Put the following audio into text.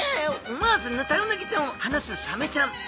思わずヌタウナギちゃんをはなすサメちゃん。